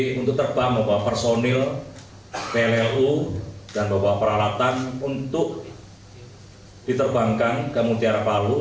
hnd untuk terbang membawa personil pllu dan bawa peralatan untuk diterbangkan ke mutiara palu